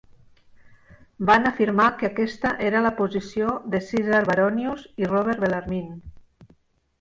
Van afirmar que aquesta era la posició de Caesar Baronius i Robert Bellarmine.